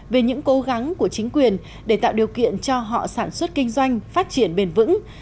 về những cố gắng của chính quyền để tạo điều kiện cho họ sản xuất kinh doanh phát triển bền vững